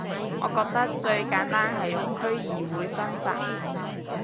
我覺得最簡單係用區議會分法